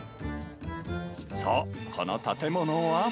そう、この建物は。